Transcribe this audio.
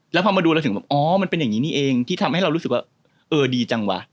แล้วพอมาดูเราถึงแบบอ๋อมันเป็นอย่างนี้นี่เองที่ทำให้เรารู้สึกว่าเออดีจังวะ